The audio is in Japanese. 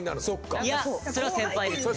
いやそれは先輩ですね。